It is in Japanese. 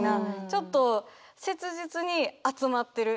ちょっと切実に集まってる。